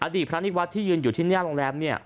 ดีพระนิวัฒน์ที่ยืนอยู่ที่หน้าโรงแรมเนี่ย